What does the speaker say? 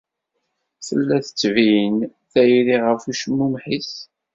Tella tettbin tayri ɣef ucmumeḥ-is.